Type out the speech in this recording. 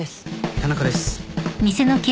田中です。